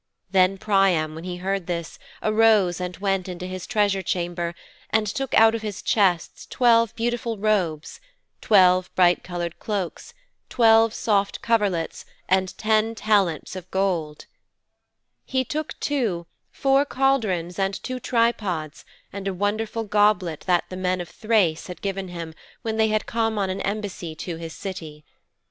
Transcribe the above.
"' 'Then Priam, when he heard this, arose and went into his treasure chamber and took out of his chests twelve beautiful robes; twelve bright coloured cloaks; twelve soft coverlets and ten talents of gold; he took, too, four cauldrons and two tripods and a wonderful goblet that the men of Thrace had given him when they had come on an embassy to his city.